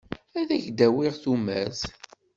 Ad ak-d-awiɣ tumert.